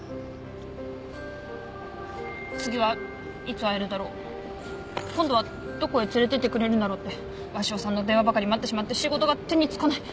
次はいつ会えるだろう今度はどこへ連れてってくれるんだろうって鷲尾さんの電話ばかり待ってしまって仕事が手に付かない。